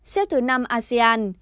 xếp thứ năm asean